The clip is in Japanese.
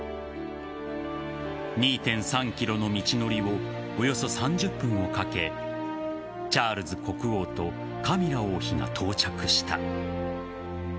２．３ｋｍの道のりをおよそ３０分をかけチャールズ国王とカミラ王妃が到着した。